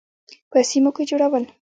په سیمو کې جوړول.